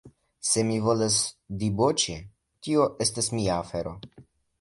Se mi volas diboĉi, tio estas mia afero.